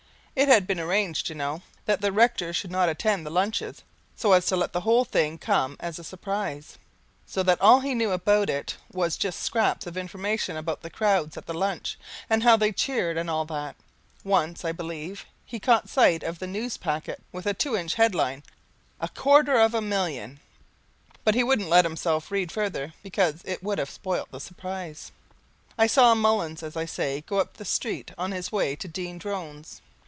It had been arranged, you know, that the rector should not attend the lunches, so as to let the whole thing come as a surprise; so that all he knew about it was just scraps of information about the crowds at the lunch and how they cheered and all that. Once, I believe, he caught sight of the Newspacket with a two inch headline: A QUARTER OF A MILLION, but he wouldn't let himself read further because it would have spoilt the surprise. I saw Mullins, as I say, go up the street on his way to Dean Drone's.